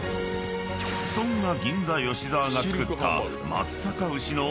［そんな銀座吉澤が作った］